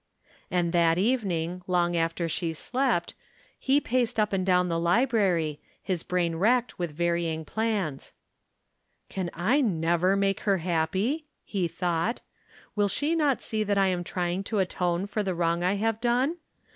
And that evening, long after she slept, he paced up and down the library, his brain racked with varying plans. " Can I never make her happy ?" he thought. " Will she not see that I am trying to atone for the wrong I have done